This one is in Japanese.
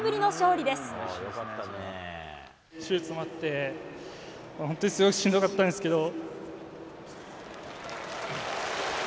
手術もあって、本当にすごいしんどかったんですけど。